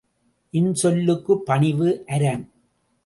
இன்சொல்லுக்குப் பணிவு அரண்.